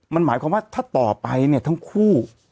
มันหมายความว่าถ้าต่อไปเนี่ยทั้งคู่